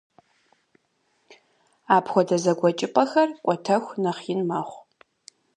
Апхуэдэ зэгуэкӏыпӏэхэр кӏуэтэху нэхъ ин мэхъу.